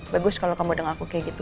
bagus kalau kamu dengan aku kayak gitu